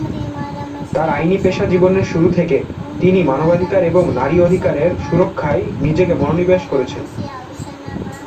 তার আইনি পেশা জীবনের শুরু থেকে, তিনি মানবাধিকার এবং নারীর অধিকারের সুরক্ষায় নিজেকে মনোনিবেশ করেছেন।